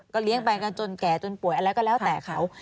เลี้ยงไปกันจนแก่จนป่วยอะไรก็แล้วแต่เขา